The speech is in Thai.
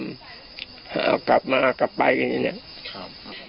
เอากลับมาเอากลับไปอย่างนี้